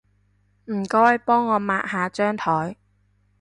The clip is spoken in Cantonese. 唔該幫我抹下張枱